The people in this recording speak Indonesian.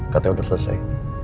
katanya udah selesai